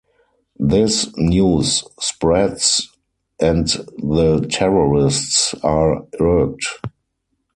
This news spreads, and the terrorists are irked.